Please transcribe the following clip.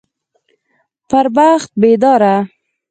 پر بخت بيداره